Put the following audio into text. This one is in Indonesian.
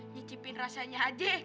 nyicipin rasanya ade